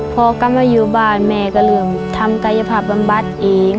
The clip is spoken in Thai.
พอก็มาอยู่บ้านแม่ก็เลยทำกายภาพปรรมบัตรเอง